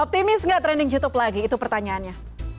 optimis nggak trending youtube lagi itu pertanyaannya